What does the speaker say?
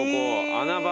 穴場。